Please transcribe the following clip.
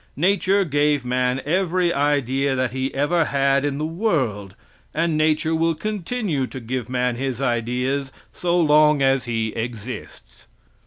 Nature gave man every idea that he ever had in the world; and nature will continue to give man his ideas so long as he exists.